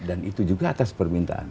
dan itu juga atas permintaan